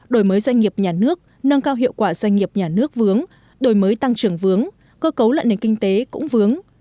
đổi mới doanh nghiệp nhà nước nâng cao hiệu quả doanh nghiệp nhà nước vướng đổi mới tăng trưởng vướng cơ cấu lại nền kinh tế cũng vướng